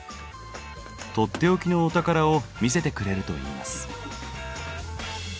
取って置きのお宝を見せてくれるといいます。